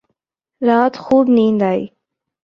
رات خوب نیند آئی